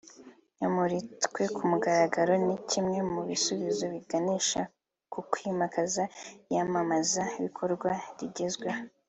yamuritswe ku mugaragaro ni kimwe mu bisubizo biganisha ku kwimakaza iyamamaza bikorwa rigezweho